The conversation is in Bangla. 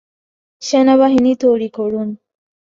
সেনাবাহিনী তৈরি করুন!